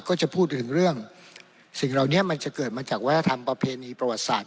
ก็จะพูดถึงเรื่องสิ่งเหล่านี้มันจะเกิดมาจากวัฒนธรรมประเพณีประวัติศาสต